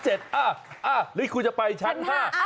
หรือคุณจะไปชั้น๕